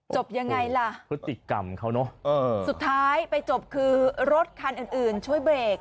จบยังไงล่ะสุดท้ายไปจบคือรถคันอื่นช่วยเบรก